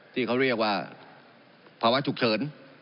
ที่เขาเรียกว่าภาวะฉุกเฉิน